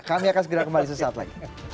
kami akan segera kembali sesaat lagi